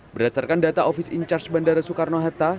berdasarkan data office in charge bandara soekarno hatta